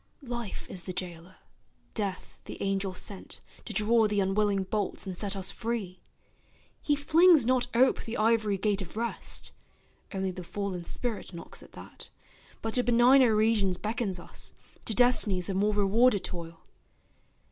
Life is the jailer, Death the angel sent To draw the unwilling bolts and set us free. He flings not ope the ivory gate of Rest, Only the fallen spirit knocks at that, But to benigner regions beckons us, To destinies of more rewarded toil.